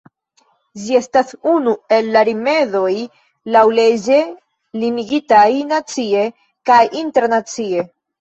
Ĝi estas unu el la rimedoj laŭleĝe limigitaj nacie kaj internacie.